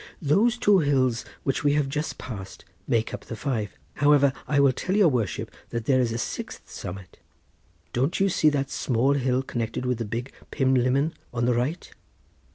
"Those two hills which we have just passed make up the five. However, I will tell your worship that there is a sixth summit. Don't you see that small hill connected with the big Pumlummon, on the right?"